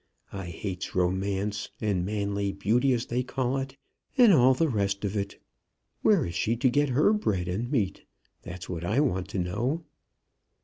I hates romance and manly beauty, as they call it, and all the rest of it. Where is she to get her bread and meat? That's what I want to know."